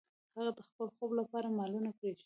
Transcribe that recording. هغه د خپل خوب لپاره مالونه پریږدي.